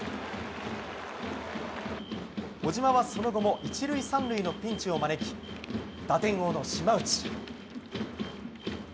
小島はその後も１塁３塁のピンチを招き打点王の島内。